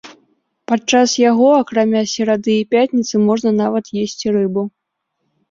Падчас яго, акрамя серады і пятніцы, можна нават есці рыбу.